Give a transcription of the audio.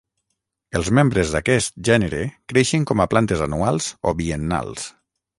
Els membres d'aquest gènere creixen com a plantes anuals o biennals.